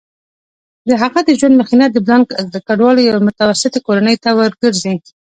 د هغه د ژوند مخینه د لبنان کډوالو یوې متوسطې کورنۍ ته ورګرځي.